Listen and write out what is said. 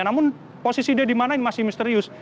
namun posisi d dimana ini masih misterius